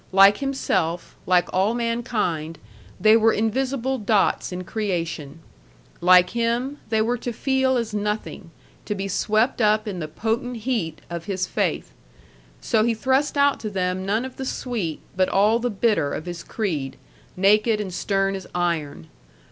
Like himself, like all mankind, they were invisible dots in creation; like him, they were to feel as nothing, to be swept up in the potent heat of his faith. So he thrust out to them none of the sweet but all the bitter of his creed, naked and stern as iron.